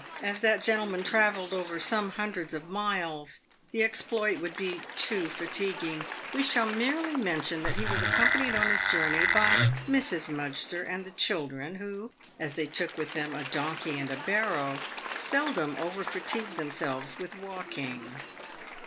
As that gentleman travelled over some hundreds of miles, the exploit would be too fatiguing. "We shall merely men tion that he was accompanied on his journey by Mrs. Mudgster and the children, who, as they took with them a donkey and barrow, seldom over fatigued themselves with walking.